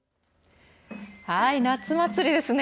はい、夏祭りですね。